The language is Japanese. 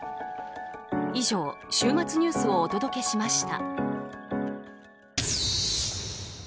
以上、週末ニュースをお届けしました。